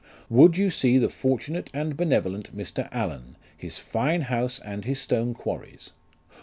Would you see the fortunate and benevolent Mr. Allen, his fine house and his stone quarries.